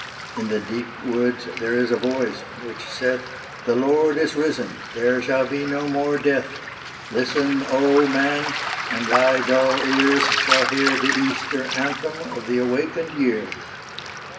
In the deep woods there is a voice, which saith "The Lord is risen there shall be no more death! Listen, Oh Man! and thy dull ears shall hear The Easter Anthem of the awakened year."